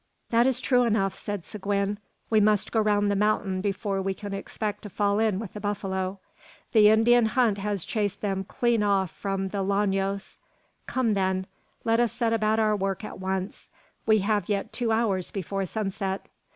"That is true enough," said Seguin. "We must go round the mountain before we can expect to fall in with the buffalo. The Indian hunt has chased them clean off from the Llanos. Come, then! Let us set about our work at once. We have yet two hours before sunset.